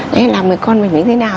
đấy là mời con mình đến thế nào